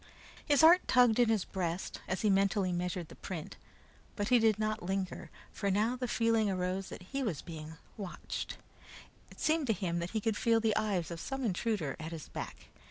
His heart tugged in his breast as he mentally measured the print, but he did not linger, for now the feeling arose that he was being watched. It seemed to him that he could feel the eyes of some intruder at his back.